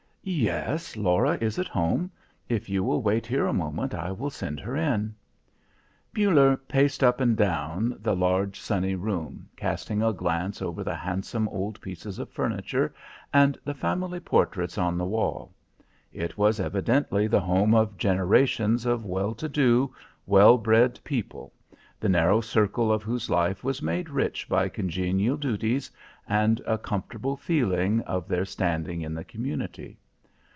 "Yes, Lora is at home. If you will wait here a moment I will send her in." Muller paced up and down the large sunny room, casting a glance over the handsome old pieces of furniture and the family portraits on the wall. It was evidently the home of generations of well to do, well bred people, the narrow circle of whose life was made rich by congenial duties and a comfortable feeling of their standing in the community.